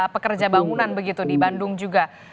pekerja bangunan begitu di bandung juga